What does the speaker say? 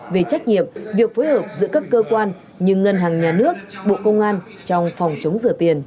về trách nhiệm việc phối hợp giữa các cơ quan như ngân hàng nhà nước bộ công an trong phòng chống rửa tiền